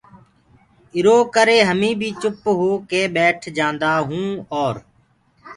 ايٚرو ڪري هميٚنٚ بي چُپ هوڪي ٻيٺ جآنٚدآئونٚ اورَ